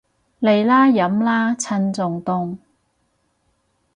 嚟啦，飲啦，趁仲凍